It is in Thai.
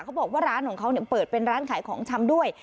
เขาบอกว่าร้านของเขาเปิดเป็นร้านขายของชำด้วย